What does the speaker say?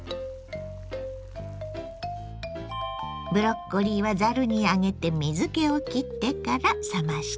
ブロッコリーはざるに上げて水けをきってから冷ましてね。